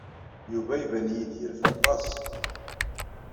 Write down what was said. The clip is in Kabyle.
Yuba iban-iyi-d yerfa aṭas.